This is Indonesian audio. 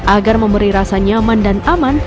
agar memberi rasa nyaman dan aman